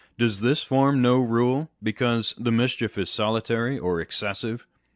Does this form no rule, because the mischief is solitary or excessive